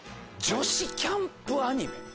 女子キャンプアニメ？